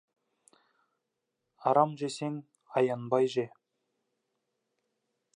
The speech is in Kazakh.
Арам жесең, аянбай же.